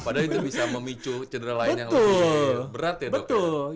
padahal itu bisa memicu cedera lain yang lebih berat ya dok